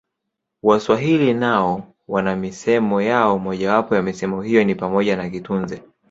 Waswahili nao wana misemo yao Moja wapo ya misemo hiyo ni pamoja na kitunze